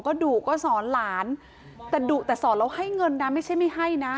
ก็ดุก็สอนหลานแต่ดุแต่สอนแล้วให้เงินนะไม่ใช่ไม่ให้นะ